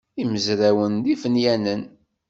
Imezrawen d ifenyanen.